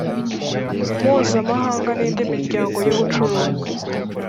mpuzamahanga n indi miryango y ubucuruzi